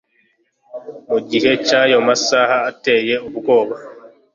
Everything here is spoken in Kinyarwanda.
Mu gihe cy'ayo masaha ateye ubwoba;